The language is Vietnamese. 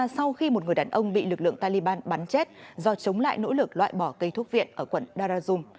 sau khi một người đàn ông bị lực lượng taliban bắn chết do chống lại nỗ lực loại bỏ cây thuốc viện ở quận darazum